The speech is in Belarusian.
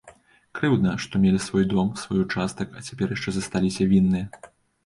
Крыўдна, што мелі свой дом, свой участак, а цяпер яшчэ засталіся вінныя!